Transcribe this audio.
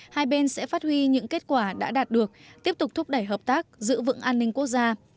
hai bên sẽ phát huy những kết quả đã đạt được tiếp tục thúc đẩy hợp tác giữ vững an ninh quốc gia